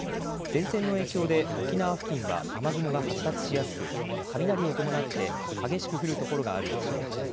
前線の影響で沖縄付近は雨雲が発達しやすく雷を伴って激しく降る所があるでしょう。